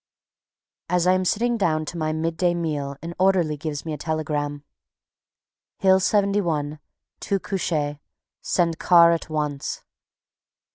_ As I am sitting down to my midday meal an orderly gives me a telegram: _Hill 71. Two couchés. Send car at once.